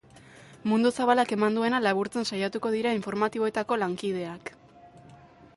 Mundu zabalak eman duena laburtzen saiatuko dira informatiboetako lankideak.